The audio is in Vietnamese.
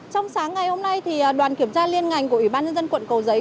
trong sáng ngày hôm nay đoàn kiểm tra liên ngành của ủy ban nhân dân quận cầu giấy